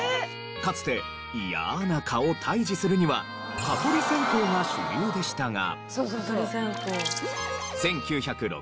かつて嫌な蚊を退治するには蚊取り線香が主流でしたが。